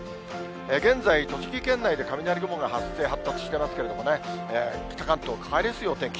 現在、栃木県内で雷雲が発生、発達していますけれどもね、北関東、変わりやすいお天気。